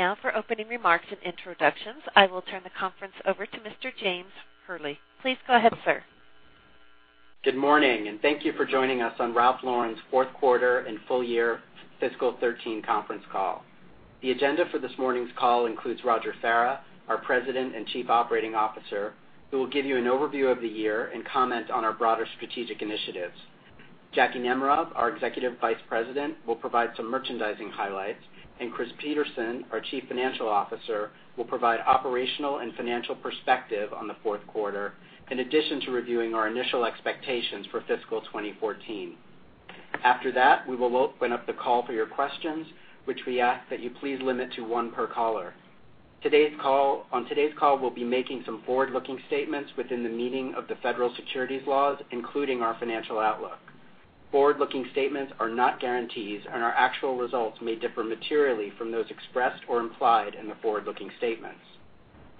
Now for opening remarks and introductions, I will turn the conference over to Mr. James Hurley. Please go ahead, sir. Good morning, thank you for joining us on Ralph Lauren's fourth quarter and full year fiscal 2013 conference call. The agenda for this morning's call includes Roger Farah, our President and Chief Operating Officer, who will give you an overview of the year and comment on our broader strategic initiatives. Jackie Nemerov, our Executive Vice President, will provide some merchandising highlights, and Chris Peterson, our Chief Financial Officer, will provide operational and financial perspective on the fourth quarter, in addition to reviewing our initial expectations for fiscal 2014. After that, we will open up the call for your questions, which we ask that you please limit to one per caller. On today's call, we will be making some forward-looking statements within the meaning of the federal securities laws, including our financial outlook. Forward-looking statements are not guarantees, and our actual results may differ materially from those expressed or implied in the forward-looking statements.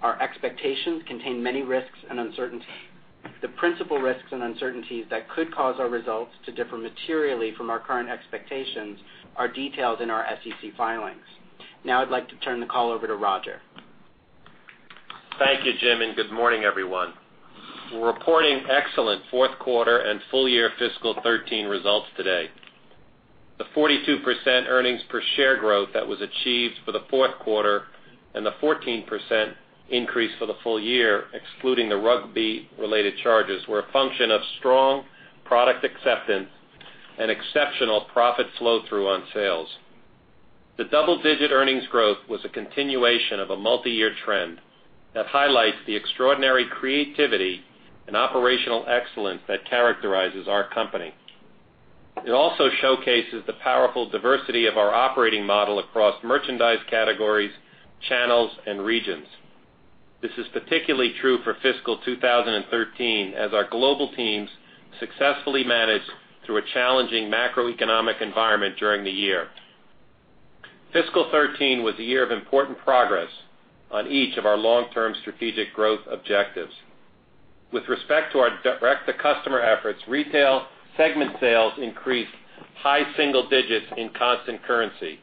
Our expectations contain many risks and uncertainties. The principal risks and uncertainties that could cause our results to differ materially from our current expectations are detailed in our SEC filings. Now I would like to turn the call over to Roger. Thank you, Jim, and good morning, everyone. We are reporting excellent fourth quarter and full year fiscal 2013 results today. The 42% EPS growth that was achieved for the fourth quarter and the 14% increase for the full year, excluding the Rugby related charges, were a function of strong product acceptance and exceptional profit flow-through on sales. The double-digit earnings growth was a continuation of a multi-year trend that highlights the extraordinary creativity and operational excellence that characterizes our company. It also showcases the powerful diversity of our operating model across merchandise categories, channels, and regions. This is particularly true for fiscal 2013, as our global teams successfully managed through a challenging macroeconomic environment during the year. Fiscal 2013 was a year of important progress on each of our long-term strategic growth objectives. With respect to our direct-to-customer efforts, retail segment sales increased high single digits in constant currency.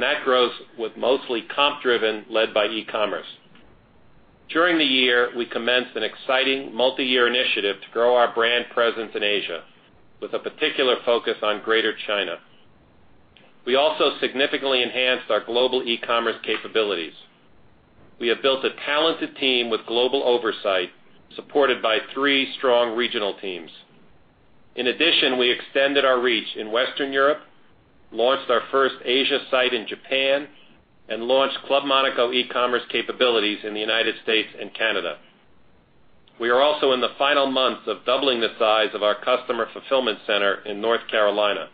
That growth was mostly comp driven, led by e-commerce. During the year, we commenced an exciting multi-year initiative to grow our brand presence in Asia, with a particular focus on Greater China. We also significantly enhanced our global e-commerce capabilities. We have built a talented team with global oversight, supported by three strong regional teams. In addition, we extended our reach in Western Europe, launched our first Asia site in Japan, launched Club Monaco e-commerce capabilities in the U.S. and Canada. We are also in the final months of doubling the size of our customer fulfillment center in North Carolina.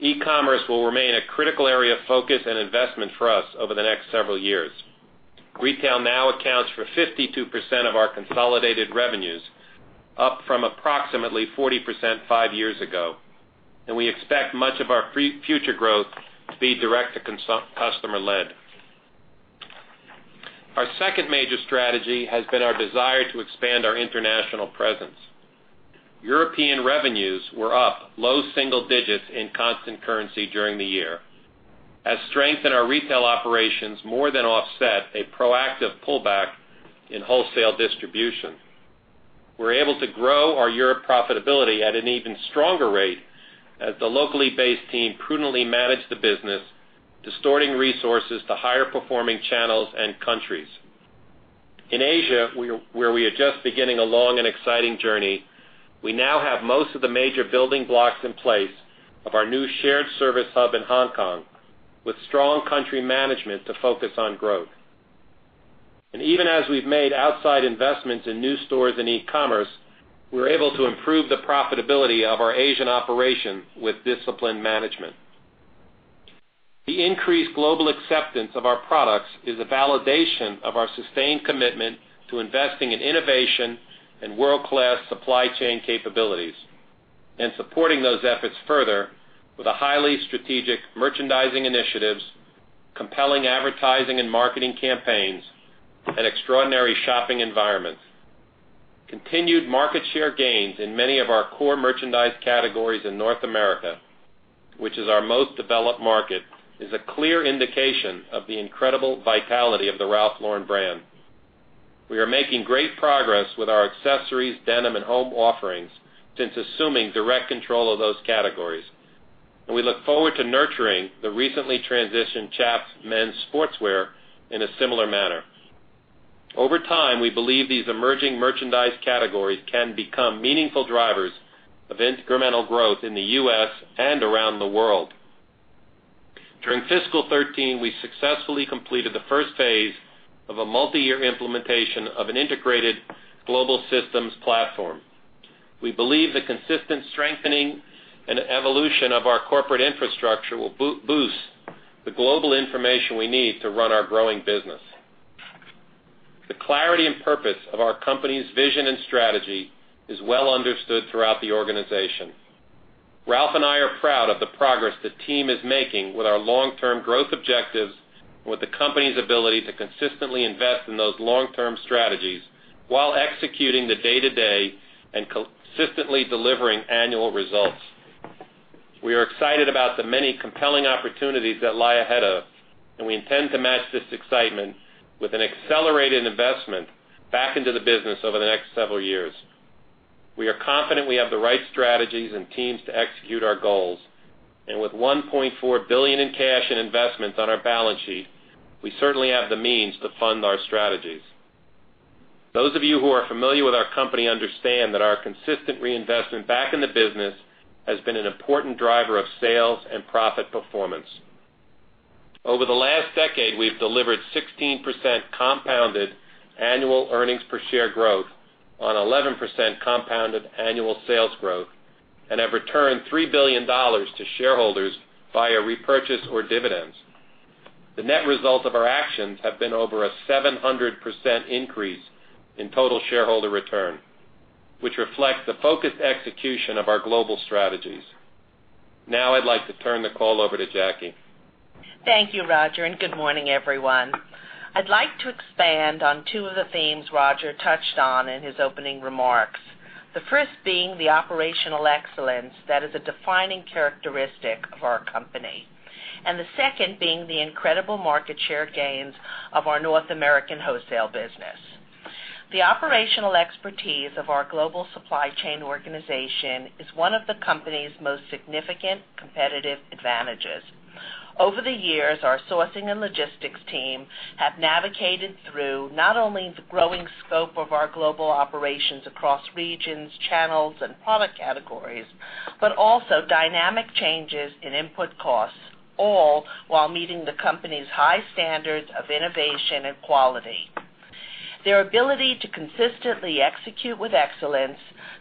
E-commerce will remain a critical area of focus and investment for us over the next several years. Retail now accounts for 52% of our consolidated revenues, up from approximately 40% five years ago. We expect much of our future growth to be direct-to-customer led. Our second major strategy has been our desire to expand our international presence. European revenues were up low single digits in constant currency during the year, as strength in our retail operations more than offset a proactive pullback in wholesale distribution. We're able to grow our Europe profitability at an even stronger rate as the locally based team prudently managed the business, distorting resources to higher performing channels and countries. In Asia, where we are just beginning a long and exciting journey, we now have most of the major building blocks in place of our new shared service hub in Hong Kong, with strong country management to focus on growth. Even as we've made outside investments in new stores and e-commerce, we're able to improve the profitability of our Asian operations with disciplined management. The increased global acceptance of our products is a validation of our sustained commitment to investing in innovation and world-class supply chain capabilities and supporting those efforts further with highly strategic merchandising initiatives, compelling advertising and marketing campaigns, and extraordinary shopping environments. Continued market share gains in many of our core merchandise categories in North America, which is our most developed market, is a clear indication of the incredible vitality of the Ralph Lauren brand. We are making great progress with our accessories, denim, and home offerings since assuming direct control of those categories. We look forward to nurturing the recently transitioned Chaps men's sportswear in a similar manner. Over time, we believe these emerging merchandise categories can become meaningful drivers of incremental growth in the U.S. and around the world. During fiscal 2013, we successfully completed the first phase of a multi-year implementation of an integrated global systems platform. We believe the consistent strengthening and evolution of our corporate infrastructure will boost the global information we need to run our growing business. The clarity and purpose of our company's vision and strategy is well understood throughout the organization. Ralph and I are proud of the progress the team is making with our long-term growth objectives, with the company's ability to consistently invest in those long-term strategies while executing the day-to-day and consistently delivering annual results. We are excited about the many compelling opportunities that lie ahead of. We intend to match this excitement with an accelerated investment back into the business over the next several years. We are confident we have the right strategies and teams to execute our goals, and with $1.4 billion in cash and investments on our balance sheet, we certainly have the means to fund our strategies. Those of you who are familiar with our company understand that our consistent reinvestment back in the business has been an important driver of sales and profit performance. Over the last decade, we've delivered 16% compounded annual EPS growth on 11% compounded annual sales growth and have returned $3 billion to shareholders via repurchase or dividends. The net result of our actions have been over a 700% increase in total shareholder return, which reflects the focused execution of our global strategies. Now I'd like to turn the call over to Jackie. Thank you, Roger, and good morning, everyone. I'd like to expand on two of the themes Roger touched on in his opening remarks. The first being the operational excellence that is a defining characteristic of our company, and the second being the incredible market share gains of our North American wholesale business. The operational expertise of our global supply chain organization is one of the company's most significant competitive advantages. Over the years, our sourcing and logistics team have navigated through not only the growing scope of our global operations across regions, channels, and product categories, but also dynamic changes in input costs, all while meeting the company's high standards of innovation and quality. Their ability to consistently execute with excellence,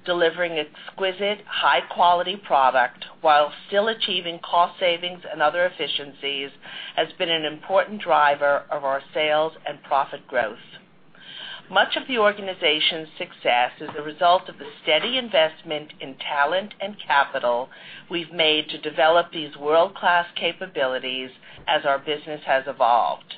delivering exquisite, high-quality product while still achieving cost savings and other efficiencies has been an important driver of our sales and profit growth. Much of the organization's success is the result of the steady investment in talent and capital we've made to develop these world-class capabilities as our business has evolved.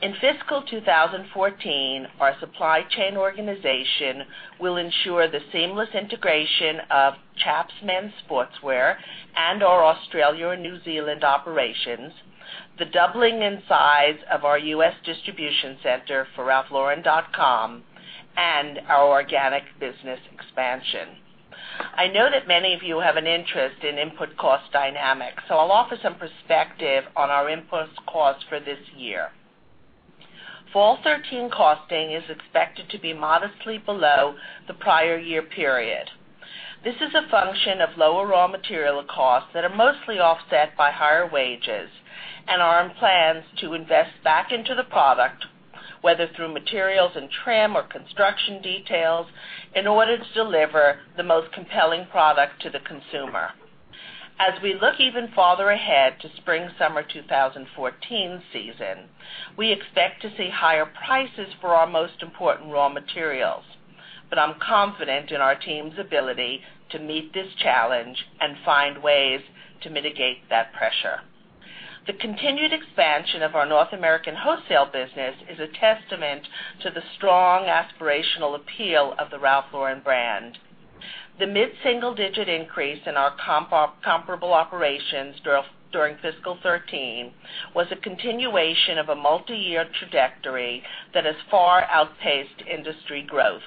In fiscal 2014, our supply chain organization will ensure the seamless integration of Chaps men's sportswear and our Australia and New Zealand operations, the doubling in size of our U.S. distribution center for ralphlauren.com, and our organic business expansion. I know that many of you have an interest in input cost dynamics, so I'll offer some perspective on our input cost for this year. Fall 2013 costing is expected to be modestly below the prior year period. This is a function of lower raw material costs that are mostly offset by higher wages and our plans to invest back into the product, whether through materials and trim or construction details, in order to deliver the most compelling product to the consumer. As we look even farther ahead to spring-summer 2014 season, we expect to see higher prices for our most important raw materials, but I'm confident in our team's ability to meet this challenge and find ways to mitigate that pressure. The continued expansion of our North American wholesale business is a testament to the strong aspirational appeal of the Ralph Lauren brand. The mid-single-digit increase in our comparable operations during fiscal 2013 was a continuation of a multiyear trajectory that has far outpaced industry growth.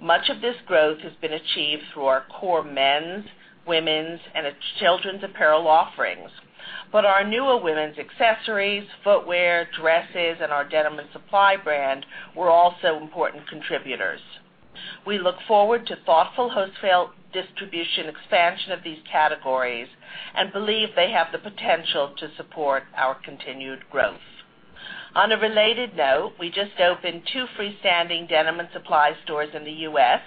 Much of this growth has been achieved through our core men's, women's, and children's apparel offerings, but our newer women's accessories, footwear, dresses, and our Denim & Supply brand were also important contributors. We look forward to thoughtful wholesale distribution expansion of these categories and believe they have the potential to support our continued growth. On a related note, we just opened two freestanding Denim & Supply stores in the U.S.,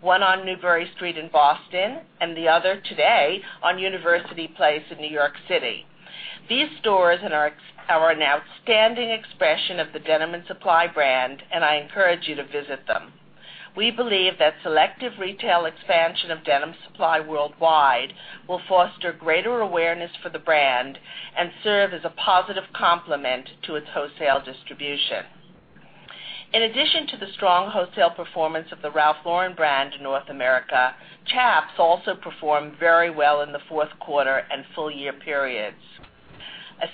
one on Newbury Street in Boston and the other today on University Place in New York City. These stores are an outstanding expression of the Denim & Supply brand, and I encourage you to visit them. We believe that selective retail expansion of Denim & Supply worldwide will foster greater awareness for the brand and serve as a positive complement to its wholesale distribution. In addition to the strong wholesale performance of the Ralph Lauren brand in North America, Chaps also performed very well in the fourth quarter and full-year periods.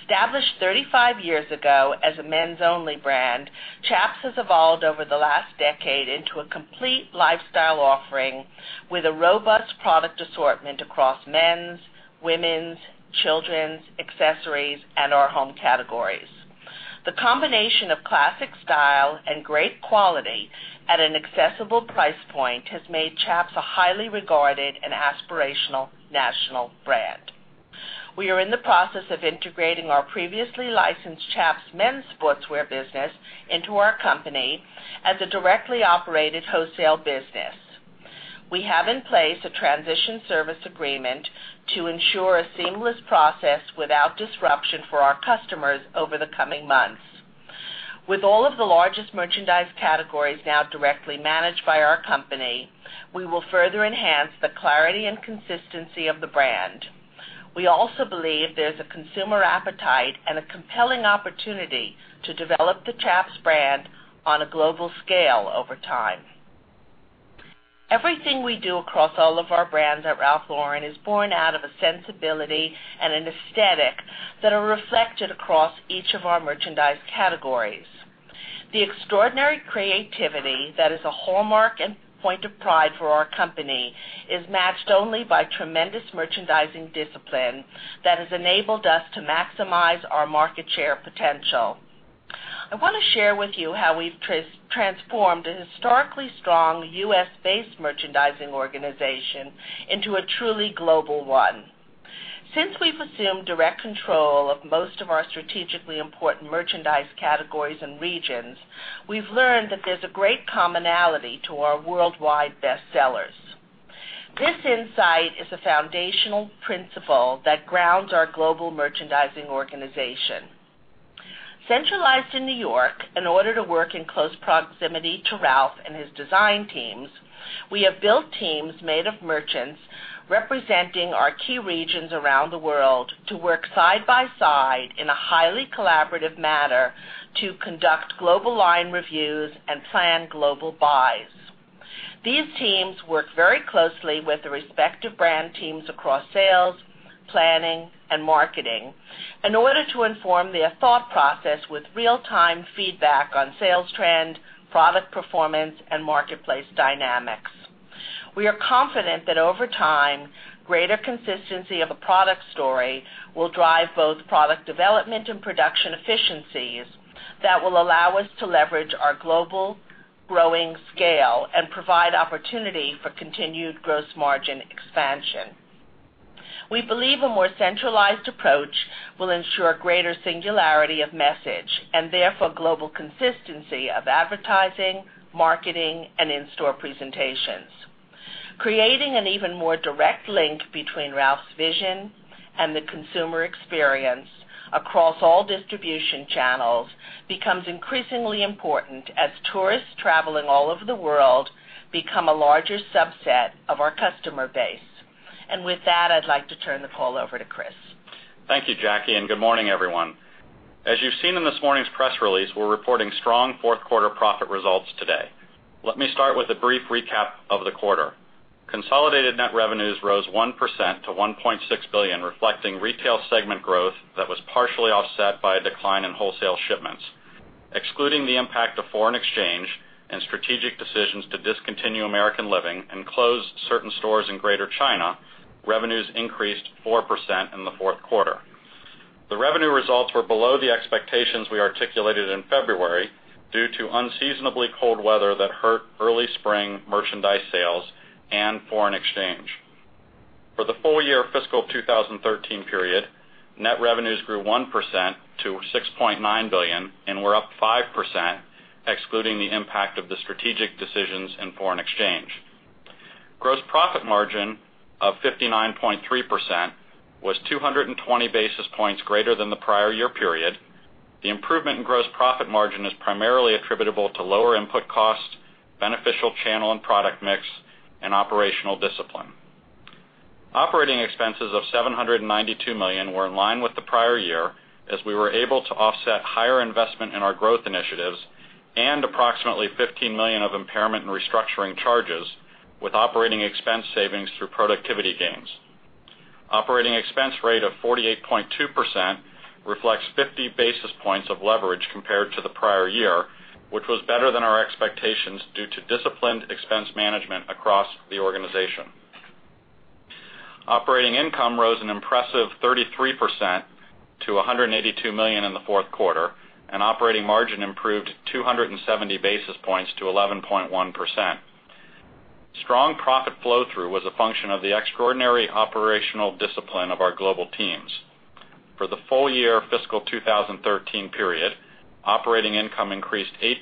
Established 35 years ago as a men's only brand, Chaps has evolved over the last decade into a complete lifestyle offering with a robust product assortment across men's, women's, children's, accessories, and our home categories. The combination of classic style and great quality at an accessible price point has made Chaps a highly regarded and aspirational national brand. We are in the process of integrating our previously licensed Chaps men's sportswear business into our company as a directly operated wholesale business. We have in place a transition service agreement to ensure a seamless process without disruption for our customers over the coming months. With all of the largest merchandise categories now directly managed by our company, we will further enhance the clarity and consistency of the brand. We also believe there's a consumer appetite and a compelling opportunity to develop the Chaps brand on a global scale over time. Everything we do across all of our brands at Ralph Lauren is born out of a sensibility and an aesthetic that are reflected across each of our merchandise categories. The extraordinary creativity that is a hallmark and point of pride for our company is matched only by tremendous merchandising discipline that has enabled us to maximize our market share potential. I want to share with you how we've transformed a historically strong U.S.-based merchandising organization into a truly global one. Since we've assumed direct control of most of our strategically important merchandise categories and regions, we've learned that there's a great commonality to our worldwide bestsellers. This insight is a foundational principle that grounds our global merchandising organization. Centralized in New York, in order to work in close proximity to Ralph and his design teams, we have built teams made of merchants representing our key regions around the world to work side by side in a highly collaborative manner to conduct global line reviews and plan global buys. These teams work very closely with the respective brand teams across sales, planning, and marketing in order to inform their thought process with real-time feedback on sales trend, product performance, and marketplace dynamics. We are confident that over time, greater consistency of a product story will drive both product development and production efficiencies that will allow us to leverage our global growing scale and provide opportunity for continued gross margin expansion. We believe a more centralized approach will ensure greater singularity of message and therefore global consistency of advertising, marketing, and in-store presentations. Creating an even more direct link between Ralph's vision and the consumer experience across all distribution channels becomes increasingly important as tourists traveling all over the world become a larger subset of our customer base. With that, I'd like to turn the call over to Chris. Thank you, Jackie, and good morning, everyone. As you've seen in this morning's press release, we're reporting strong fourth quarter profit results today. Let me start with a brief recap of the quarter. Consolidated net revenues rose 1% to $1.6 billion, reflecting retail segment growth that was partially offset by a decline in wholesale shipments. Excluding the impact of foreign exchange and strategic decisions to discontinue American Living and close certain stores in Greater China, revenues increased 4% in the fourth quarter. The revenue results were below the expectations we articulated in February due to unseasonably cold weather that hurt early spring merchandise sales and foreign exchange. For the full year fiscal 2013 period, net revenues grew 1% to $6.9 billion and were up 5% excluding the impact of the strategic decisions in foreign exchange. Gross profit margin of 59.3% was 220 basis points greater than the prior year period. The improvement in gross profit margin is primarily attributable to lower input cost, beneficial channel and product mix, and operational discipline. Operating expenses of $792 million were in line with the prior year as we were able to offset higher investment in our growth initiatives and approximately $15 million of impairment and restructuring charges with operating expense savings through productivity gains. Operating expense rate of 48.2% reflects 50 basis points of leverage compared to the prior year, which was better than our expectations due to disciplined expense management across the organization. Operating income rose an impressive 33% to $182 million in the fourth quarter, and operating margin improved 270 basis points to 11.1%. Strong profit flow-through was a function of the extraordinary operational discipline of our global teams. For the full year fiscal 2013 period, operating income increased 8%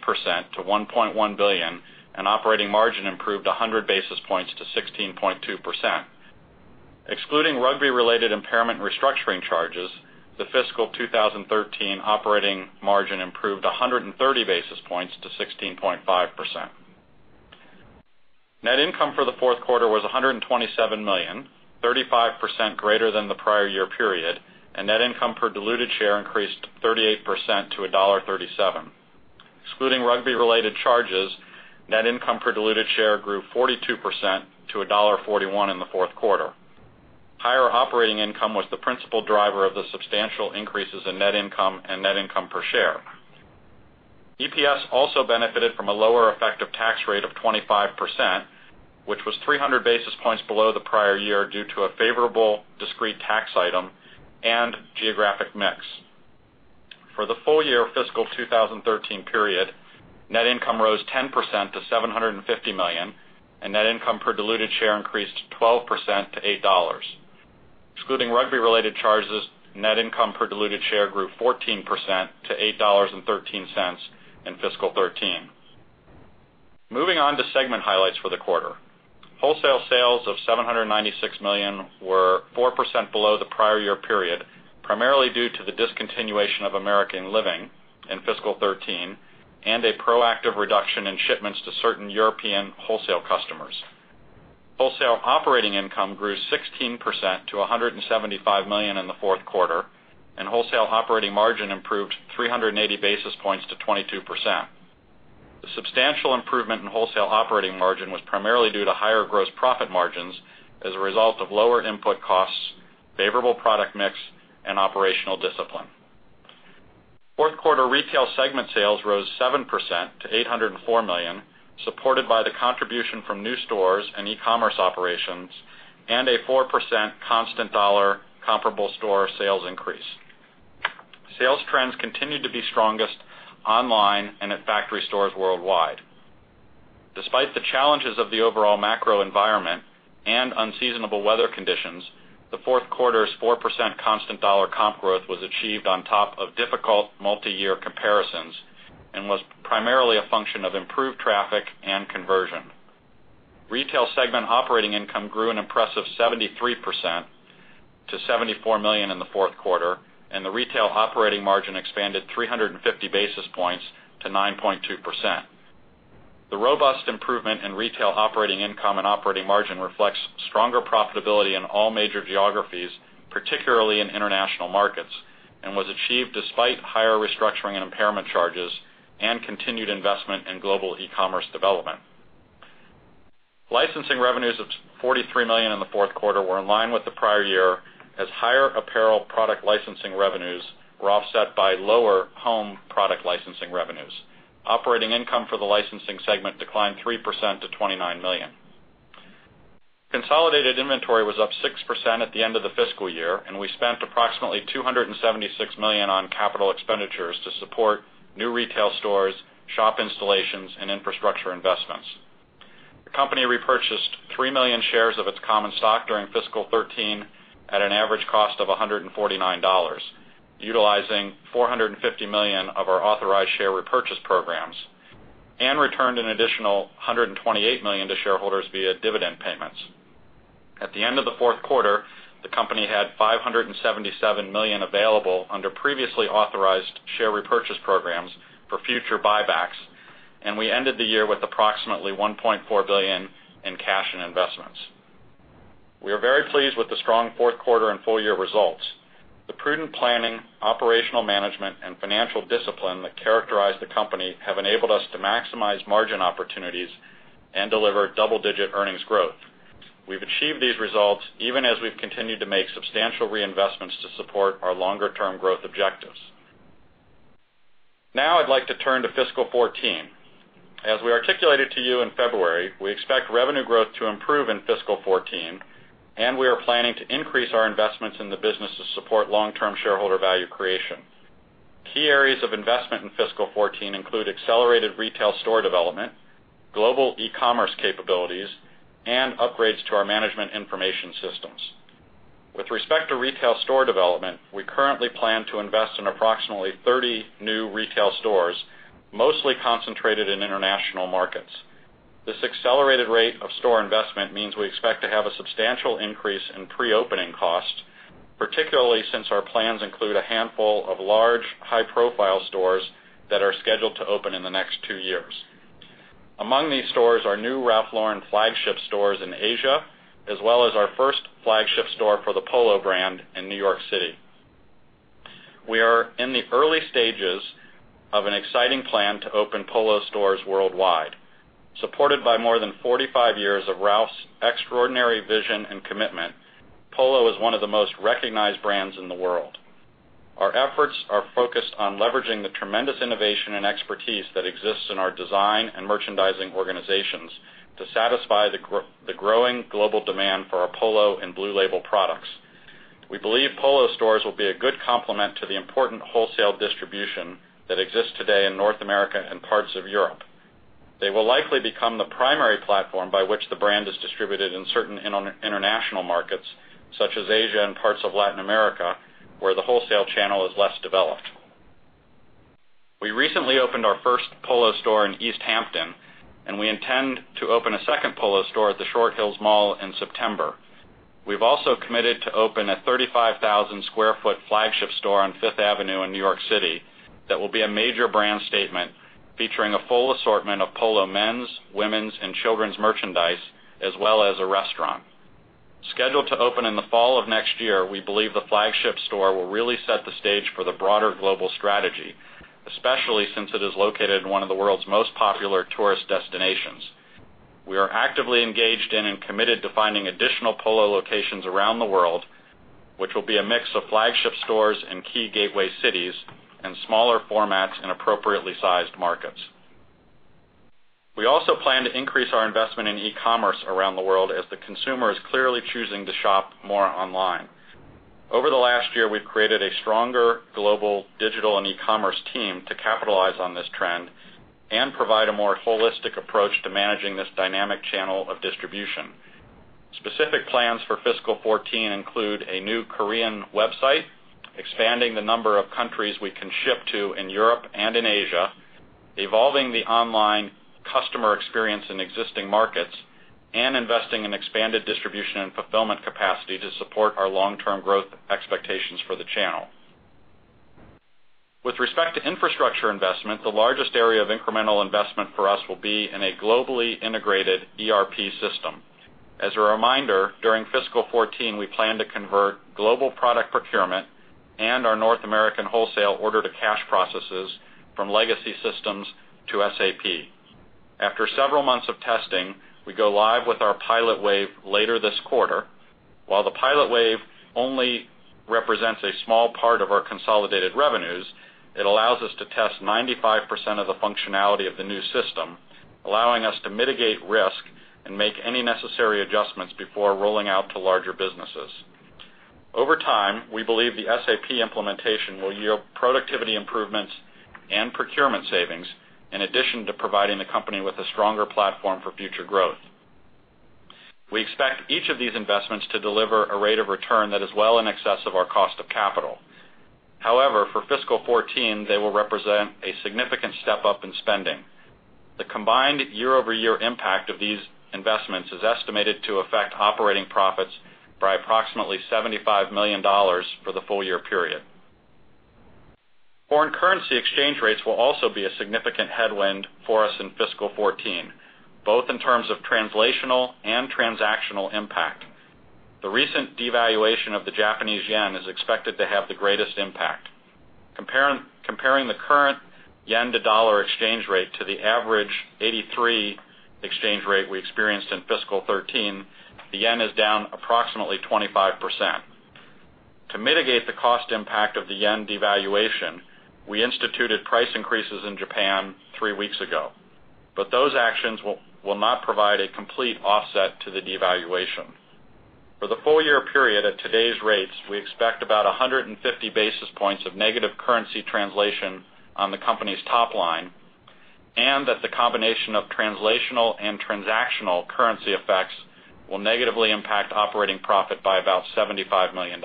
to $1.1 billion, and operating margin improved 100 basis points to 16.2%. Excluding Rugby-related impairment restructuring charges, the fiscal 2013 operating margin improved 130 basis points to 16.5%. Net income for the fourth quarter was $127 million, 35% greater than the prior year period, and net income per diluted share increased 38% to $1.37. Excluding Rugby-related charges, net income per diluted share grew 42% to $1.41 in the fourth quarter. Higher operating income was the principal driver of the substantial increases in net income and net income per share. EPS also benefited from a lower effective tax rate of 25%, which was 300 basis points below the prior year due to a favorable discrete tax item and geographic mix. For the full year fiscal 2013 period, net income rose 10% to $750 million, and net income per diluted share increased 12% to $8. Excluding Rugby-related charges, net income per diluted share grew 14% to $8.13 in fiscal 2013. Moving on to segment highlights for the quarter. Wholesale sales of $796 million were 4% below the prior year period, primarily due to the discontinuation of American Living in fiscal 2013. A proactive reduction in shipments to certain European wholesale customers. Wholesale operating income grew 16% to $175 million in the fourth quarter, and wholesale operating margin improved 380 basis points to 22%. The substantial improvement in wholesale operating margin was primarily due to higher gross profit margins as a result of lower input costs, favorable product mix, and operational discipline. Fourth quarter retail segment sales rose 7% to $804 million, supported by the contribution from new stores and e-commerce operations, and a 4% constant dollar comparable store sales increase. Sales trends continued to be strongest online and at factory stores worldwide. Despite the challenges of the overall macro environment and unseasonable weather conditions, the fourth quarter's 4% constant dollar comp growth was achieved on top of difficult multi-year comparisons and was primarily a function of improved traffic and conversion. Retail segment operating income grew an impressive 73% to $74 million in the fourth quarter, and the retail operating margin expanded 350 basis points to 9.2%. The robust improvement in retail operating income and operating margin reflects stronger profitability in all major geographies, particularly in international markets, and was achieved despite higher restructuring and impairment charges and continued investment in global e-commerce development. Licensing revenues of $43 million in the fourth quarter were in line with the prior year, as higher apparel product licensing revenues were offset by lower home product licensing revenues. Operating income for the licensing segment declined 3% to $29 million. Consolidated inventory was up 6% at the end of the fiscal year. We spent approximately $276 million on capital expenditures to support new retail stores, shop installations, and infrastructure investments. The company repurchased 3 million shares of its common stock during fiscal 2013 at an average cost of $149, utilizing $450 million of our authorized share repurchase programs, and returned an additional $128 million to shareholders via dividend payments. At the end of the fourth quarter, the company had $577 million available under previously authorized share repurchase programs for future buybacks. We ended the year with approximately $1.4 billion in cash and investments. We are very pleased with the strong fourth quarter and full year results. The prudent planning, operational management, and financial discipline that characterize the company have enabled us to maximize margin opportunities and deliver double-digit earnings growth. We've achieved these results even as we've continued to make substantial reinvestments to support our longer-term growth objectives. Now, I'd like to turn to fiscal 2014. As we articulated to you in February, we expect revenue growth to improve in fiscal 2014. We are planning to increase our investments in the business to support long-term shareholder value creation. Key areas of investment in fiscal 2014 include accelerated retail store development, global e-commerce capabilities, and upgrades to our management information systems. With respect to retail store development, we currently plan to invest in approximately 30 new retail stores, mostly concentrated in international markets. This accelerated rate of store investment means we expect to have a substantial increase in pre-opening costs, particularly since our plans include a handful of large, high-profile stores that are scheduled to open in the next two years. Among these stores are new Ralph Lauren flagship stores in Asia, as well as our first flagship store for the Polo brand in New York City. We are in the early stages of an exciting plan to open Polo stores worldwide. Supported by more than 45 years of Ralph's extraordinary vision and commitment, Polo is one of the most recognized brands in the world. Our efforts are focused on leveraging the tremendous innovation and expertise that exists in our design and merchandising organizations to satisfy the growing global demand for our Polo and Blue Label products. We believe Polo stores will be a good complement to the important wholesale distribution that exists today in North America and parts of Europe. They will likely become the primary platform by which the brand is distributed in certain international markets, such as Asia and parts of Latin America, where the wholesale channel is less developed. We recently opened our first Polo store in East Hampton, and we intend to open a second Polo store at the Short Hills Mall in September. We've also committed to open a 35,000 sq ft flagship store on Fifth Avenue in New York City that will be a major brand statement, featuring a full assortment of Polo men's, women's, and children's merchandise, as well as a restaurant. Scheduled to open in the fall of next year, we believe the flagship store will really set the stage for the broader global strategy, especially since it is located in one of the world's most popular tourist destinations. We are actively engaged in and committed to finding additional Polo locations around the world, which will be a mix of flagship stores in key gateway cities and smaller formats in appropriately sized markets. We also plan to increase our investment in e-commerce around the world as the consumer is clearly choosing to shop more online. Over the last year, we've created a stronger global digital and e-commerce team to capitalize on this trend and provide a more holistic approach to managing this dynamic channel of distribution. Specific plans for fiscal 2014 include a new Korean website, expanding the number of countries we can ship to in Europe and in Asia, evolving the online customer experience in existing markets, investing in expanded distribution and fulfillment capacity to support our long-term growth expectations for the channel. With respect to infrastructure investment, the largest area of incremental investment for us will be in a globally integrated ERP system. As a reminder, during fiscal 2014, we plan to convert global product procurement and our North American wholesale order to cash processes from legacy systems to SAP. After several months of testing, we go live with our pilot wave later this quarter. While the pilot wave only represents a small part of our consolidated revenues, it allows us to test 95% of the functionality of the new system, allowing us to mitigate risk and make any necessary adjustments before rolling out to larger businesses. Over time, we believe the SAP implementation will yield productivity improvements and procurement savings, in addition to providing the company with a stronger platform for future growth. We expect each of these investments to deliver a rate of return that is well in excess of our cost of capital. However, for fiscal 2014, they will represent a significant step-up in spending. The combined year-over-year impact of these investments is estimated to affect operating profits by approximately $75 million for the full-year period. Foreign currency exchange rates will also be a significant headwind for us in fiscal 2014, both in terms of translational and transactional impact. The recent devaluation of the Japanese yen is expected to have the greatest impact. Comparing the current yen-to-dollar exchange rate to the average 83 exchange rate we experienced in fiscal 2013, the yen is down approximately 25%. To mitigate the cost impact of the yen devaluation, we instituted price increases in Japan three weeks ago. Those actions will not provide a complete offset to the devaluation. For the full-year period at today's rates, we expect about 150 basis points of negative currency translation on the company's top line, and that the combination of translational and transactional currency effects will negatively impact operating profit by about $75 million.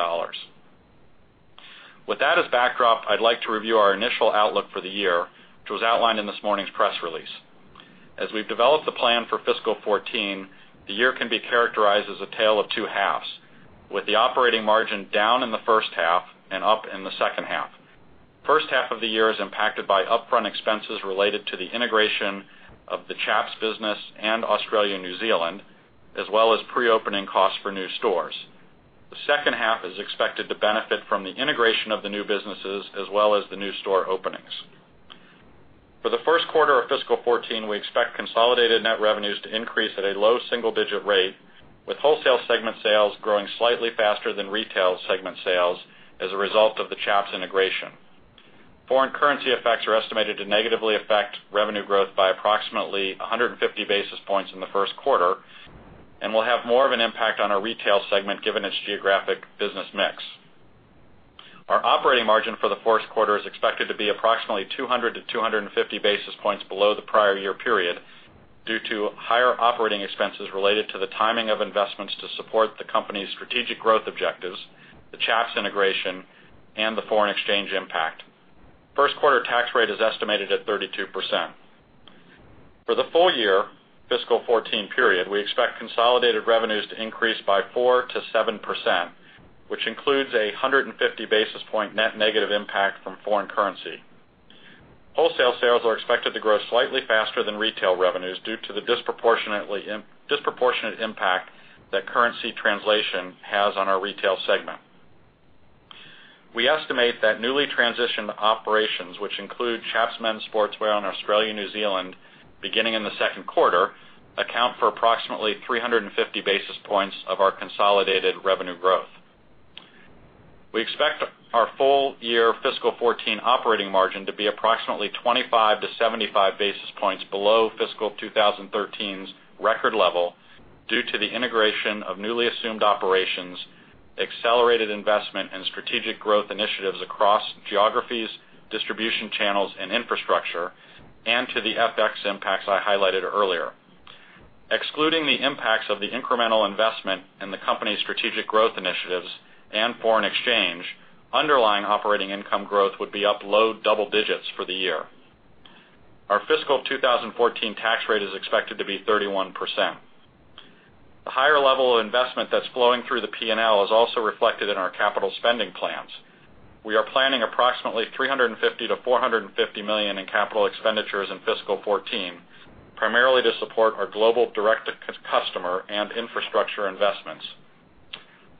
With that as backdrop, I'd like to review our initial outlook for the year, which was outlined in this morning's press release. As we've developed the plan for fiscal 2014, the year can be characterized as a tale of two halves, with the operating margin down in the first half and up in the second half. First half of the year is impacted by upfront expenses related to the integration of the Chaps business and Australia-New Zealand, as well as pre-opening costs for new stores. The second half is expected to benefit from the integration of the new businesses as well as the new store openings. For the first quarter of fiscal 2014, we expect consolidated net revenues to increase at a low single-digit rate, with wholesale segment sales growing slightly faster than retail segment sales as a result of the Chaps integration. Foreign currency effects are estimated to negatively affect revenue growth by approximately 150 basis points in the first quarter and will have more of an impact on our retail segment given its geographic business mix. Our operating margin for the first quarter is expected to be approximately 200 to 250 basis points below the prior year period due to higher operating expenses related to the timing of investments to support the company's strategic growth objectives, the Chaps integration, and the foreign exchange impact. First quarter tax rate is estimated at 32%. For the full-year fiscal 2014 period, we expect consolidated revenues to increase by 4% to 7%, which includes a 150 basis point net negative impact from foreign currency. Wholesale sales are expected to grow slightly faster than retail revenues due to the disproportionate impact that currency translation has on our retail segment. We estimate that newly transitioned operations, which include Chaps Men's Sportswear and Australia-New Zealand beginning in the second quarter, account for approximately 350 basis points of our consolidated revenue growth. We expect our full-year fiscal 2014 operating margin to be approximately 25 to 75 basis points below fiscal 2013's record level due to the integration of newly assumed operations, accelerated investment in strategic growth initiatives across geographies, distribution channels, and infrastructure, and to the FX impacts I highlighted earlier. Excluding the impacts of the incremental investment in the company's strategic growth initiatives and foreign exchange, underlying operating income growth would be up low double digits for the year. Our fiscal 2014 tax rate is expected to be 31%. The higher level of investment that's flowing through the P&L is also reflected in our capital spending plans. We are planning approximately $350 million-$450 million in capital expenditures in fiscal 2014, primarily to support our global direct-to-customer and infrastructure investments.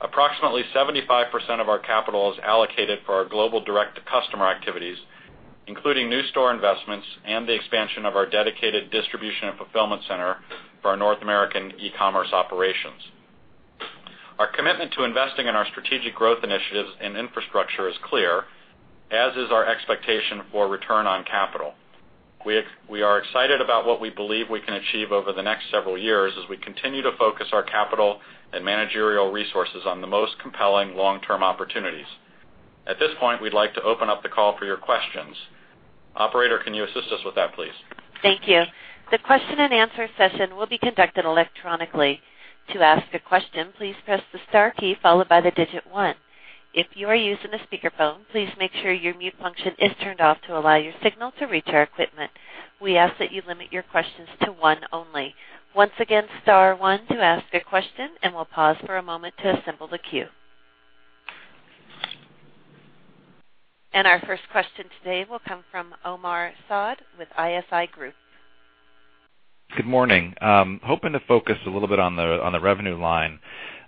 Approximately 75% of our capital is allocated for our global direct-to-customer activities, including new store investments and the expansion of our dedicated distribution and fulfillment center for our North American e-commerce operations. Our commitment to investing in our strategic growth initiatives and infrastructure is clear, as is our expectation for return on capital. We are excited about what we believe we can achieve over the next several years as we continue to focus our capital and managerial resources on the most compelling long-term opportunities. At this point, we'd like to open up the call for your questions. Operator, can you assist us with that, please? Thank you. The question and answer session will be conducted electronically. To ask a question, please press the star key followed by the digit one. If you are using a speakerphone, please make sure your mute function is turned off to allow your signal to reach our equipment. We ask that you limit your questions to one only. Once again, star one to ask a question, we'll pause for a moment to assemble the queue. Our first question today will come from Omar Saad with ISI Group. Good morning. Hoping to focus a little bit on the revenue line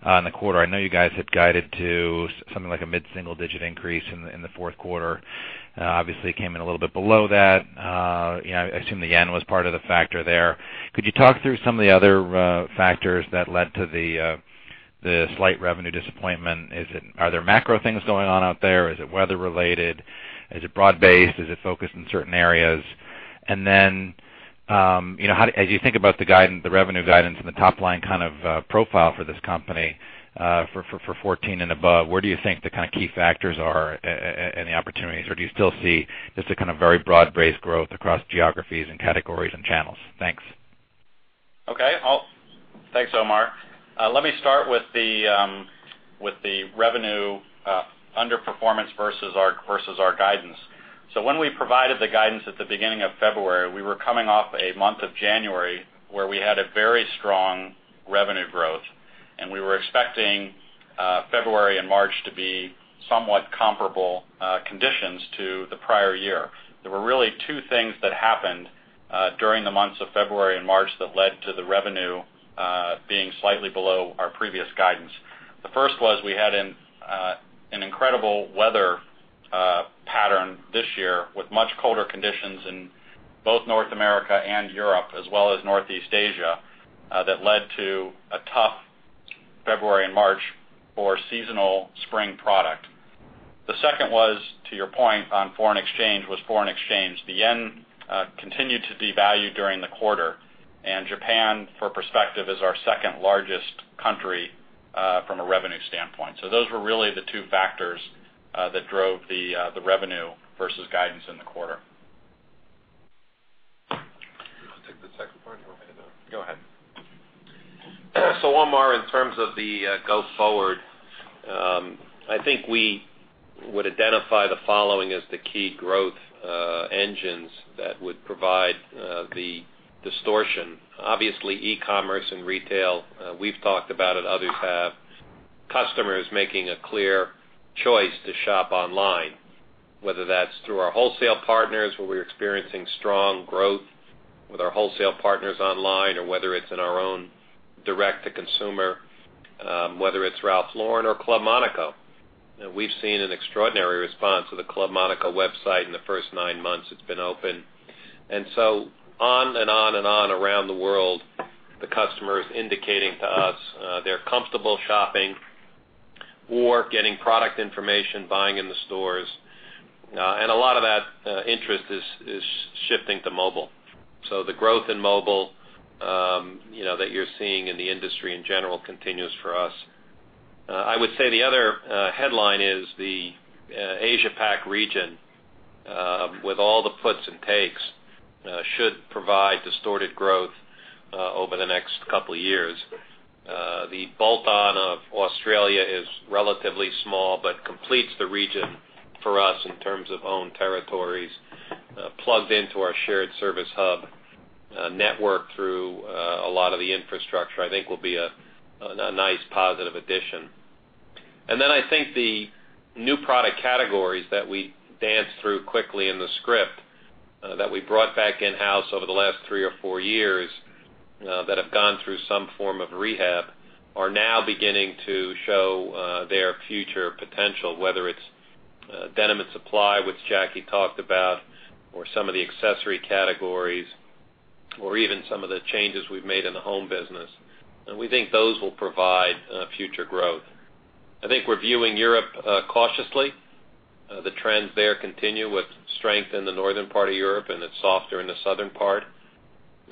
on the quarter. I know you guys had guided to something like a mid-single-digit increase in the fourth quarter. Obviously, came in a little bit below that. I assume the JPY was part of the factor there. Could you talk through some of the other factors that led to the slight revenue disappointment? Are there macro things going on out there? Is it weather related? Is it broad-based? Is it focused in certain areas? As you think about the revenue guidance and the top line kind of profile for this company for 2014 and above, where do you think the kind of key factors are and the opportunities? Do you still see just a kind of very broad-based growth across geographies and categories and channels? Thanks. Okay. Thanks, Omar. Let me start with the revenue underperformance versus our guidance. When we provided the guidance at the beginning of February, we were coming off a month of January where we had a very strong revenue growth, and we were expecting February and March to be somewhat comparable conditions to the prior year. There were really two things that happened during the months of February and March that led to the revenue being slightly below our previous guidance. The first was we had an incredible weather pattern this year with much colder conditions in both North America and Europe, as well as Northeast Asia, that led to a tough February and March for seasonal spring product. The second was, to your point on foreign exchange, was foreign exchange. The yen continued to devalue during the quarter. Japan, for perspective, is our second largest country from a revenue standpoint. Those were really the two factors that drove the revenue versus guidance in the quarter. You want me to take the second part, or you want me to? Go ahead. Omar, in terms of the go forward, I think we would identify the following as the key growth engines that would provide the distortion. Obviously, e-commerce and retail. We've talked about it, others have. Customers making a clear choice to shop online, whether that's through our wholesale partners, where we're experiencing strong growth with our wholesale partners online, or whether it's in our own direct-to-consumer. Whether it's Ralph Lauren or Club Monaco. We've seen an extraordinary response to the Club Monaco website in the first nine months it's been open. On and on around the world, the customer is indicating to us they're comfortable shopping or getting product information, buying in the stores. A lot of that interest is shifting to mobile. The growth in mobile that you're seeing in the industry in general continues for us. I would say the other headline is the Asia Pac region, with all the puts and takes, should provide distorted growth over the next couple of years. The bolt-on of Australia is relatively small, but completes the region for us in terms of owned territories. Plugged into our shared service hub network through a lot of the infrastructure, I think will be a nice positive addition. I think the new product categories that we danced through quickly in the script that we brought back in-house over the last three or four years that have gone through some form of rehab are now beginning to show their future potential. Whether it's Denim & Supply, which Jackie talked about, or some of the accessory categories, or even some of the changes we've made in the home business. We think those will provide future growth. I think we're viewing Europe cautiously. The trends there continue with strength in the northern part of Europe and it's softer in the southern part.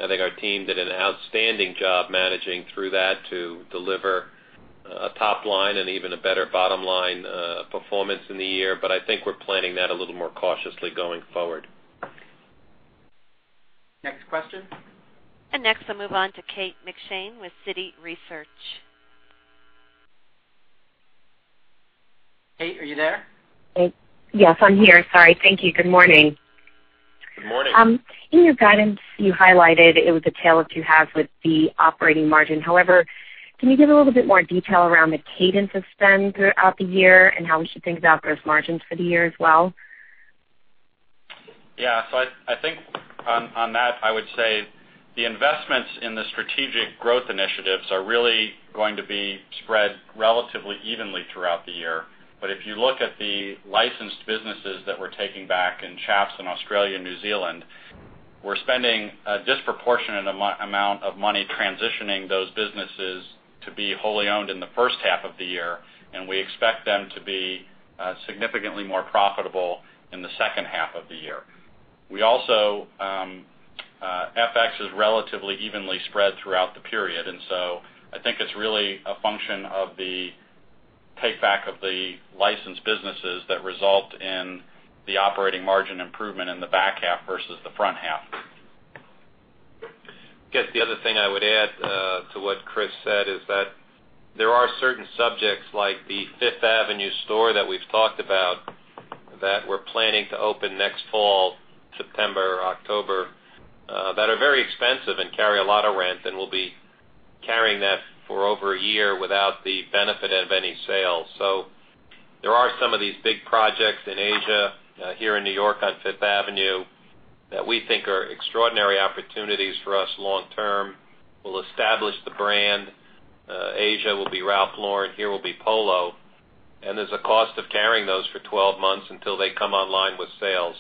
I think our team did an outstanding job managing through that to deliver a top line and even a better bottom-line performance in the year. I think we're planning that a little more cautiously going forward. Next question. Next, I'll move on to Kate McShane with Citi Research. Kate, are you there? Yes, I'm here. Sorry. Thank you. Good morning. Good morning. In your guidance, you highlighted it was a tale of two halves with the operating margin. Can you give a little bit more detail around the cadence of spend throughout the year and how we should think about those margins for the year as well? Yeah. I think on that, I would say the investments in the strategic growth initiatives are really going to be spread relatively evenly throughout the year. If you look at the licensed businesses that we're taking back in Chaps and Australia and New Zealand, we're spending a disproportionate amount of money transitioning those businesses to be wholly owned in the first half of the year, and we expect them to be significantly more profitable in the second half of the year. FX is relatively evenly spread throughout the period, I think it's really a function of the take-back of the licensed businesses that result in the operating margin improvement in the back half versus the front half. I guess the other thing I would add to what Chris said is that there are certain subjects, like the Fifth Avenue store that we've talked about, that we're planning to open next fall, September or October, that are very expensive and carry a lot of rent, and we'll be carrying that for over a year without the benefit of any sales. There are some of these big projects in Asia, here in New York on Fifth Avenue, that we think are extraordinary opportunities for us long term. We'll establish the brand. Asia will be Ralph Lauren, here will be Polo, and there's a cost of carrying those for 12 months until they come online with sales.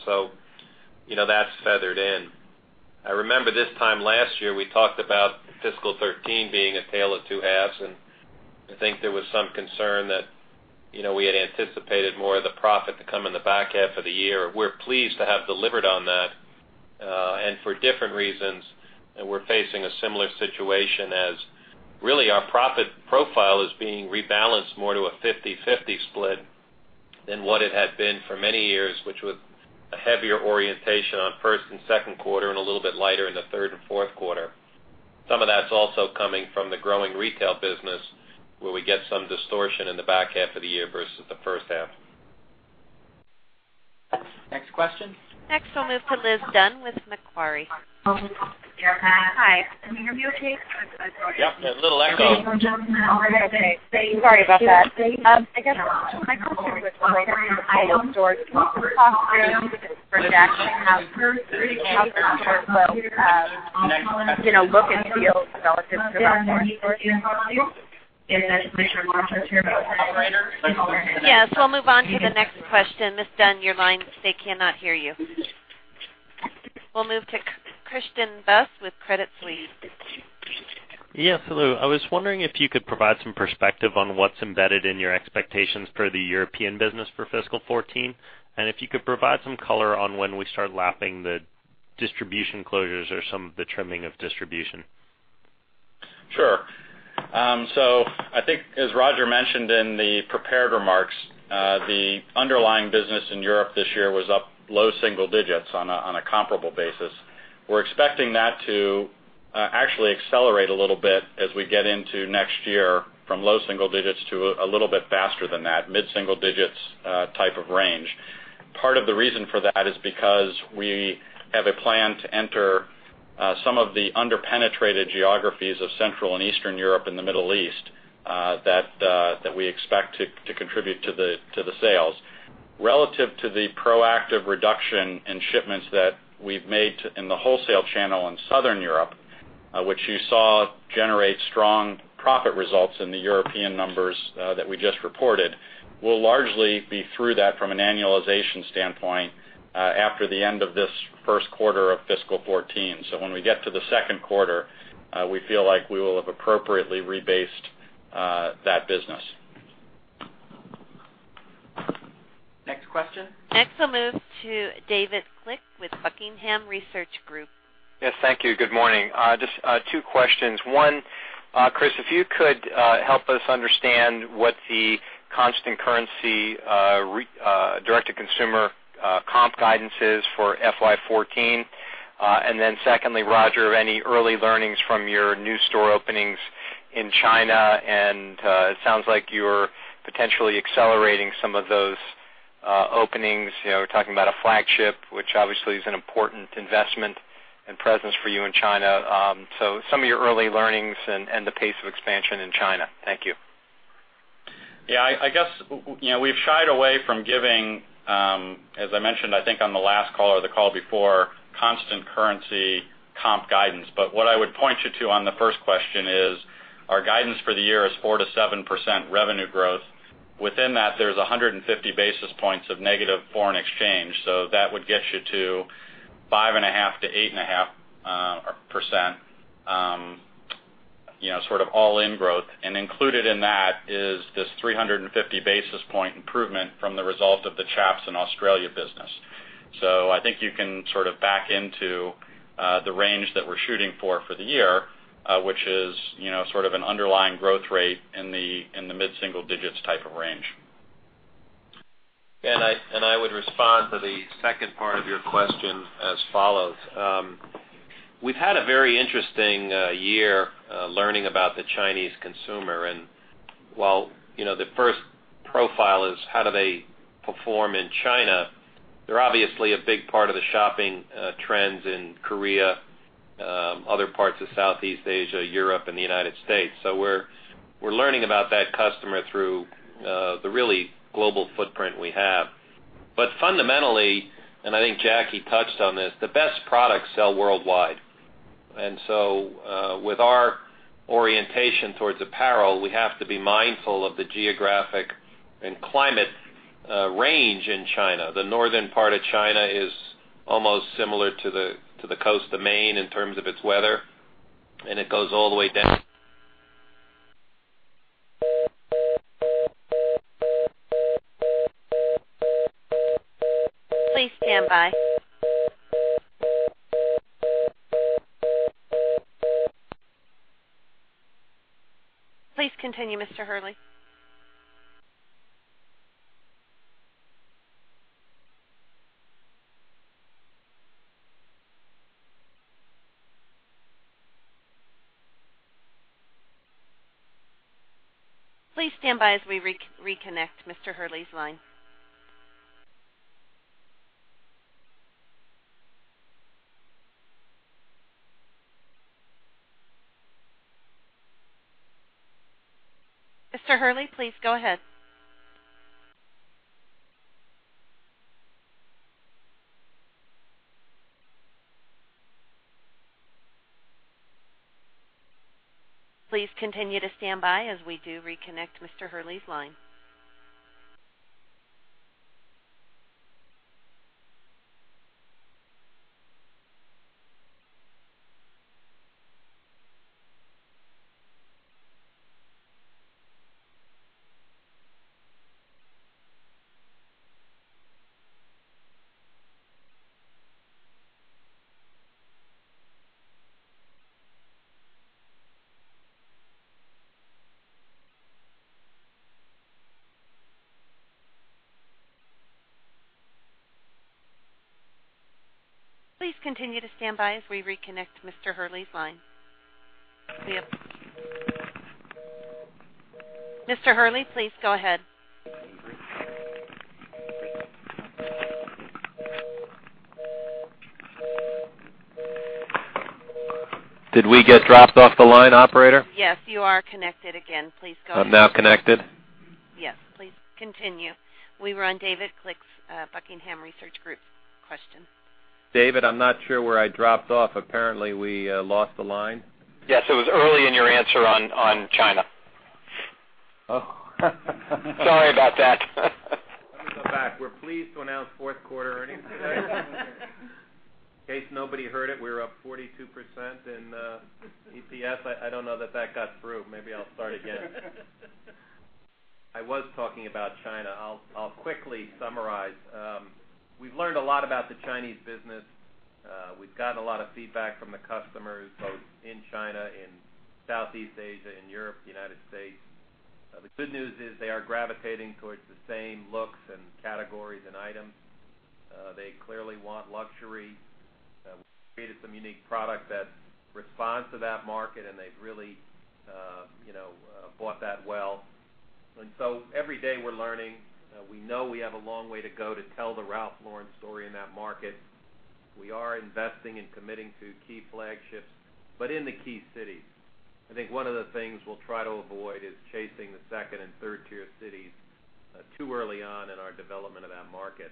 That's feathered in. I remember this time last year, we talked about fiscal 2013 being a tale of two halves, and I think there was some concern that we had anticipated more of the profit to come in the back half of the year. We're pleased to have delivered on that. For different reasons, we're facing a similar situation as really our profit profile is being rebalanced more to a 50/50 split than what it had been for many years, which was a heavier orientation on first and second quarter and a little bit lighter in the third and fourth quarter. Some of that's also coming from the growing retail business, where we get some distortion in the back half of the year versus the first half. Next question. Next, we'll move to Liz Dunn with Macquarie. Hi. Can you hear me okay? Yep. A little echo. Okay. Sorry about that. I guess my question was related to the Polo stores. Can you talk through the difference between that and how the Polo store will look and feel relative to Ralph Lauren? Yes. We'll move on to the next question. Ms. Dunn, your line, they cannot hear you. We'll move to Christian Buss with Credit Suisse. Yes. Hello. I was wondering if you could provide some perspective on what's embedded in your expectations for the European business for fiscal 2014, and if you could provide some color on when we start lapping the distribution closures or some of the trimming of distribution. Sure. I think as Roger mentioned in the prepared remarks, the underlying business in Europe this year was up low single digits on a comparable basis. We're expecting that to actually accelerate a little bit as we get into next year from low single digits to a little bit faster than that, mid single digits type of range. Part of the reason for that is because we have a plan to enter some of the under-penetrated geographies of Central and Eastern Europe and the Middle East, that we expect to contribute to the sales. Relative to the proactive reduction in shipments that we've made in the wholesale channel in Southern Europe, which you saw generate strong profit results in the European numbers that we just reported. We'll largely be through that from an annualization standpoint, after the end of this first quarter of fiscal 2014. When we get to the second quarter, we feel like we will have appropriately rebased that business. Next question. Next, we'll move to David Glick with Buckingham Research Group. Yes, thank you. Good morning. Just two questions. One, Chris, if you could help us understand what the constant currency direct-to-consumer comp guidance is for FY 2014. Secondly, Roger, any early learnings from your new store openings in China, and it sounds like you're potentially accelerating some of those openings. Talking about a flagship, which obviously is an important investment and presence for you in China. Some of your early learnings and the pace of expansion in China. Thank you. Yeah, I guess we've shied away from giving, as I mentioned, I think on the last call or the call before, constant currency comp guidance. What I would point you to on the first question is our guidance for the year is 4%-7% revenue growth. Within that, there's 150 basis points of negative foreign exchange. That would get you to 5.5%-8.5% sort of all-in growth. Included in that is this 350 basis point improvement from the result of the Chaps and Australia business. I think you can sort of back into the range that we're shooting for the year, which is sort of an underlying growth rate in the mid single digits type of range. I would respond to the second part of your question as follows. We've had a very interesting year learning about the Chinese consumer. While the first profile is how do they perform in China, they're obviously a big part of the shopping trends in Korea, other parts of Southeast Asia, Europe, and the United States. We're learning about that customer through the really global footprint we have. Fundamentally, and I think Jackie touched on this, the best products sell worldwide. With our orientation towards apparel, we have to be mindful of the geographic and climate range in China. The northern part of China is almost similar to the coast of Maine in terms of its weather, and it goes all the way down. Please stand by. Please continue, Mr. Hurley. Please stand by as we reconnect Mr. Hurley's line. Mr. Hurley, please go ahead. Please continue to stand by as we do reconnect Mr. Hurley's line. Please continue to stand by as we reconnect Mr. Hurley's line. Mr. Hurley, please go ahead. Did we get dropped off the line, operator? Yes, you are connected again. Please go ahead. I'm now connected? Yes, please continue. We were on David Glick's, Buckingham Research Group question. David, I'm not sure where I dropped off. Apparently, we lost the line. Yes, it was early in your answer on China. Oh. Sorry about that. Let me go back. We're pleased to announce fourth quarter earnings today. In case nobody heard it, we were up 42% in EPS. I don't know that that got through. Maybe I'll start again. I was talking about China. I'll quickly summarize. We've learned a lot about the Chinese business. We've gotten a lot of feedback from the customers, both in China, in Southeast Asia, in Europe, the U.S. The good news is they are gravitating towards the same looks and categories and items. They clearly want luxury. We've created some unique product that responds to that market, and they've really bought that well. Every day we're learning. We know we have a long way to go to tell the Ralph Lauren story in that market. We are investing and committing to key flagships, but in the key cities. I think one of the things we'll try to avoid is chasing the 2nd and 3rd-tier cities too early on in our development of that market.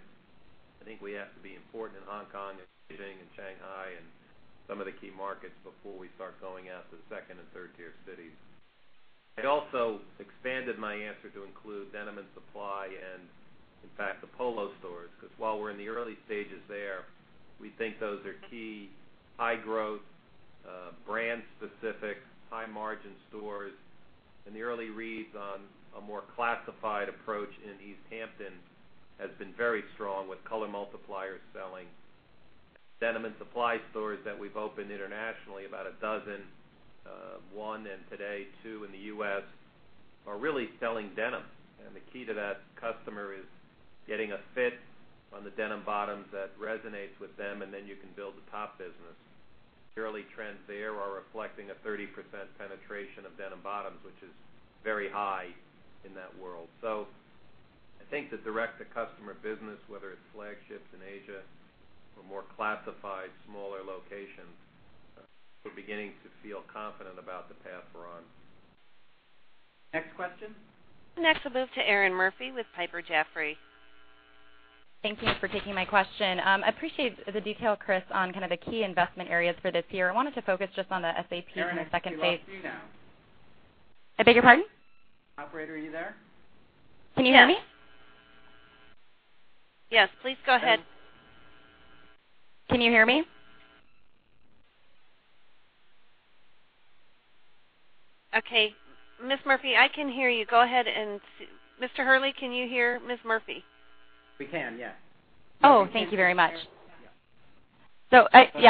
I think we have to be important in Hong Kong and Beijing and Shanghai and some of the key markets before we start going after the 2nd and 3rd-tier cities. I'd also expanded my answer to include Denim & Supply and, in fact, the Polo stores. While we're in the early stages there, we think those are key high-growth, brand-specific, high-margin stores. The early reads on a more classified approach in East Hampton has been very strong with color multipliers selling. Denim & Supply stores that we've opened internationally, about a dozen, one and today two in the U.S., are really selling denim. The key to that customer is getting a fit on the denim bottoms that resonates with them, and then you can build the top business. The early trends there are reflecting a 30% penetration of denim bottoms, which is very high in that world. I think the direct-to-customer business, whether it's flagships in Asia or more classified, smaller locations, we're beginning to feel confident about the path we're on. Next question. Next, we'll move to Erinn Murphy with Piper Jaffray. Thank you for taking my question. I appreciate the detail, Chris, on kind of the key investment areas for this year. I wanted to focus just on the SAP kind of phase 2. Erinn, I think you lost me now. I beg your pardon? Operator, are you there? Can you hear me? Yes. Please go ahead. Can you hear me? Okay. Ms. Murphy, I can hear you. Go ahead. Mr. Hurley, can you hear Ms. Murphy? We can, yes. Thank you very much. Yeah,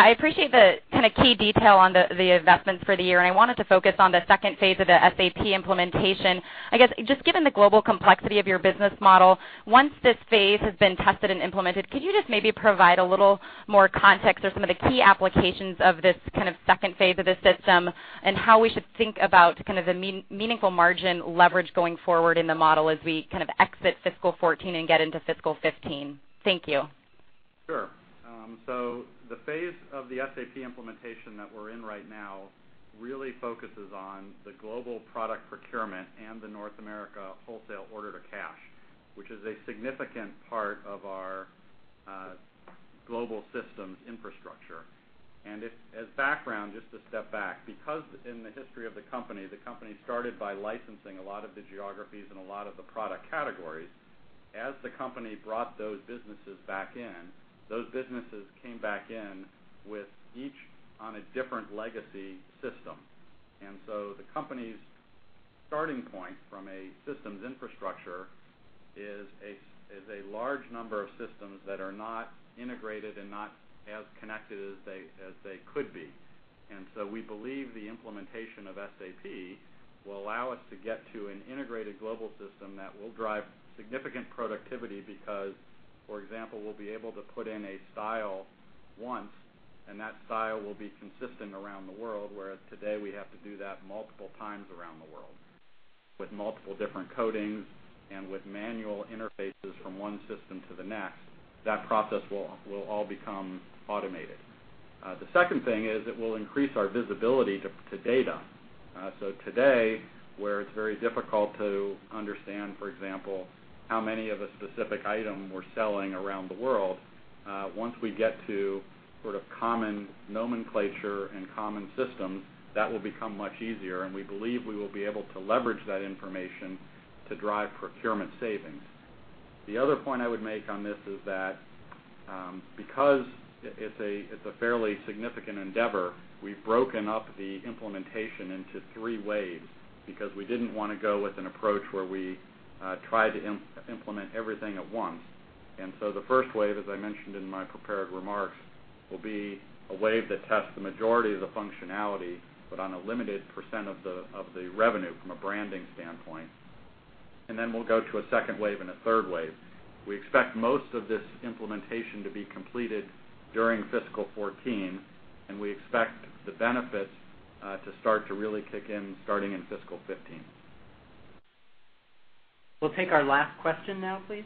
I appreciate the kind of key detail on the investments for the year, and I wanted to focus on the second phase of the SAP implementation. I guess, just given the global complexity of your business model, once this phase has been tested and implemented, could you just maybe provide a little more context of some of the key applications of this kind of second phase of the system, and how we should think about kind of the meaningful margin leverage going forward in the model as we kind of exit fiscal 2014 and get into fiscal 2015? Thank you. Sure. The phase of the SAP implementation that we're in right now really focuses on the global product procurement and the North America wholesale order to cash, which is a significant part of our global systems infrastructure. As background, just to step back, because in the history of the company, the company started by licensing a lot of the geographies and a lot of the product categories. As the company brought those businesses back in, those businesses came back in with each on a different legacy system. The company's starting point from a systems infrastructure is a large number of systems that are not integrated and not as connected as they could be. We believe the implementation of SAP will allow us to get to an integrated global system that will drive significant productivity because, for example, we'll be able to put in a style once That style will be consistent around the world, whereas today we have to do that multiple times around the world. With multiple different codings and with manual interfaces from one system to the next, that process will all become automated. The second thing is it will increase our visibility to data. Today, where it's very difficult to understand, for example, how many of a specific item we're selling around the world, once we get to sort of common nomenclature and common systems, that will become much easier, and we believe we will be able to leverage that information to drive procurement savings. The other point I would make on this is that because it's a fairly significant endeavor, we've broken up the implementation into three waves because we didn't want to go with an approach where we try to implement everything at once. The first wave, as I mentioned in my prepared remarks, will be a wave that tests the majority of the functionality, but on a limited % of the revenue from a branding standpoint. We'll go to a second wave and a third wave. We expect most of this implementation to be completed during fiscal 2014, and we expect the benefits to start to really kick in starting in fiscal 2015. We'll take our last question now, please.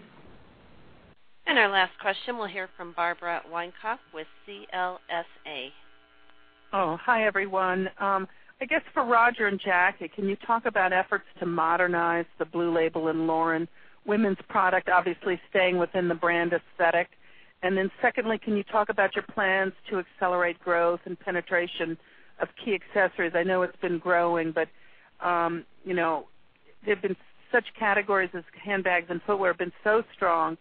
Our last question, we'll hear from Barbara Wyckoff with CLSA. Hi, everyone. I guess for Roger and Jackie, can you talk about efforts to modernize the Blue Label in Lauren women's product, obviously staying within the brand aesthetic? Secondly, can you talk about your plans to accelerate growth and penetration of key accessories? I know it's been growing, but such categories as handbags and footwear have been so strong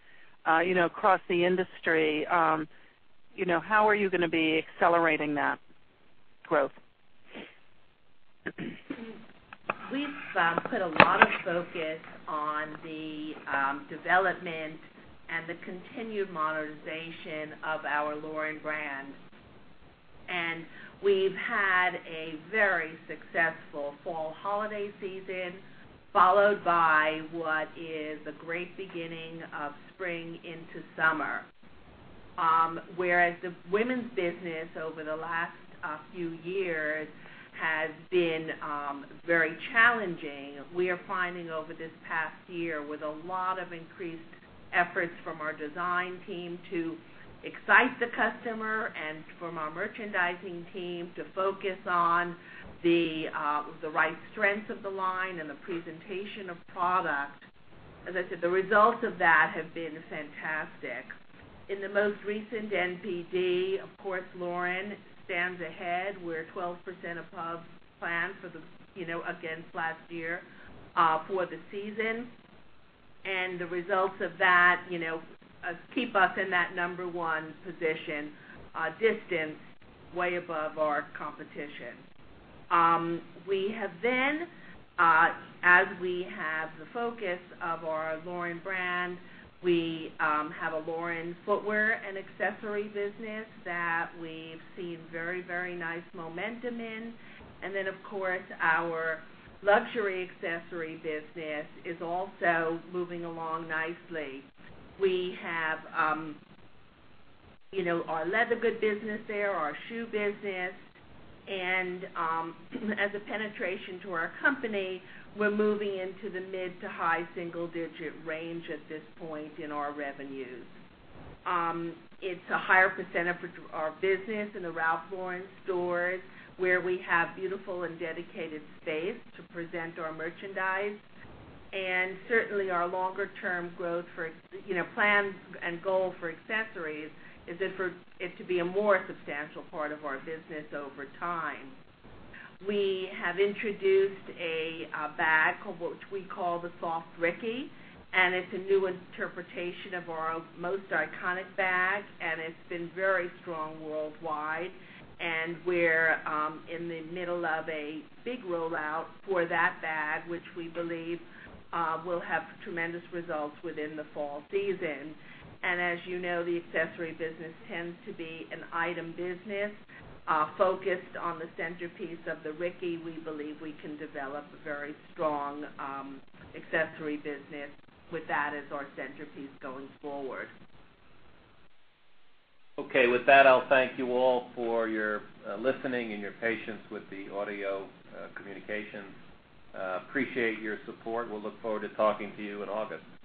across the industry. How are you going to be accelerating that growth? We've put a lot of focus on the development and the continued modernization of our Lauren brand. We've had a very successful fall holiday season, followed by what is a great beginning of spring into summer. Whereas the women's business over the last few years has been very challenging. We are finding over this past year, with a lot of increased efforts from our design team to excite the customer and from our merchandising team to focus on the right strengths of the line and the presentation of product. As I said, the results of that have been fantastic. In the most recent NPD, of course, Lauren stands ahead. We're 12% above plan against last year for the season, and the results of that keep us in that number 1 position, distant, way above our competition. We have, as we have the focus of our Lauren brand, we have a Lauren footwear and accessory business that we've seen very, very nice momentum in. Of course, our luxury accessory business is also moving along nicely. We have our leather good business there, our shoe business, and as a penetration to our company, we're moving into the mid- to high single-digit range at this point in our revenues. It's a higher percent of our business in the Ralph Lauren stores, where we have beautiful and dedicated space to present our merchandise. Certainly our longer-term plans and goal for accessories is for it to be a more substantial part of our business over time. We have introduced a bag which we call the Soft Ricky, and it's a new interpretation of our most iconic bag, and it's been very strong worldwide. We're in the middle of a big rollout for that bag, which we believe will have tremendous results within the fall season. As you know, the accessory business tends to be an item business. Focused on the centerpiece of the Ricky, we believe we can develop a very strong accessory business with that as our centerpiece going forward. Okay. With that, I'll thank you all for your listening and your patience with the audio communication. Appreciate your support. We'll look forward to talking to you in August.